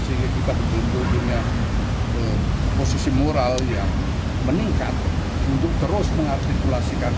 sehingga kita betul betul punya posisi moral yang meningkat untuk terus mengartikulasikan